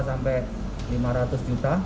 sampai lima ratus juta